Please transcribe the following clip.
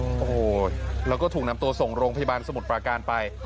โอ้โหแล้วก็ถูกนำตัวส่งโรงพยาบาลสมุทรปราการไป